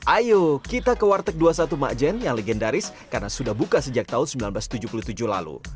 ayo kita ke warteg dua puluh satu makjen yang legendaris karena sudah buka sejak tahun seribu sembilan ratus tujuh puluh tujuh lalu